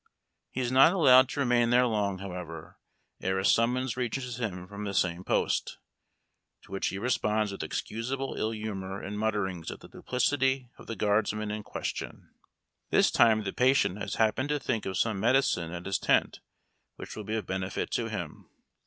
He is not allowed to remain there long, however, ere a summons reaches him from the same post, to which he res})onds with excusable ill humor and mutterings at the duplicity of the guardsman in question. This time the patient has happened to think of some medicine at his tent which will be of benefit to him.